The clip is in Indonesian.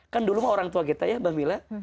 kan dulu mah orang tua kita ya mbak mila